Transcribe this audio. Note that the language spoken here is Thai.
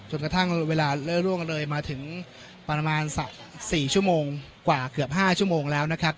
กระทั่งเวลาเล่อร่วงเลยมาถึงประมาณสัก๔ชั่วโมงกว่าเกือบ๕ชั่วโมงแล้วนะครับ